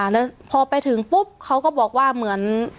แล้วพอไปถึงปุ๊บเขาก็บอกว่าเหมือน